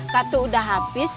kartu udah habis